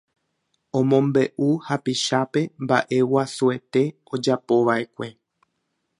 Omombe'u hapichápe mba'eguasuete ojapova'ekue